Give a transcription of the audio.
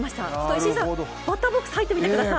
石井さん、バッターボックス入ってみてください。